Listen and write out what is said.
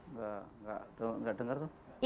nggak dengar tuh